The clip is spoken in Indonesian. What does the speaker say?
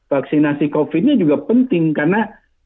vaksinasi covid nya juga penting karena